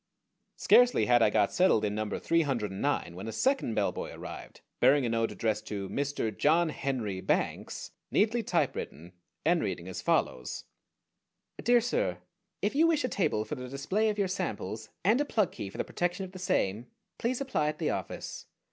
Scarcely had I got settled in number three hundred and nine when a second bellboy arrived, bearing a note addressed to "Mr. John Henry Banks," neatly typewritten, and reading as follows: DEAR SIR, If you wish a table for the display of your samples and a plug key for the protection of the same, please apply at the office.